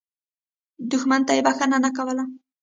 دښمن ته یې بخښنه نه کول.